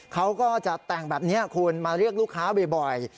เขาก็จะแต่งแบบนี้คุณมาเรียกลูกค้าบ่อย